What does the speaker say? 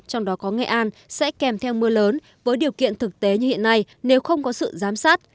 trong đó có nghệ an sẽ kèm theo mưa lớn với điều kiện thực tế như hiện nay nếu không có sự giám sát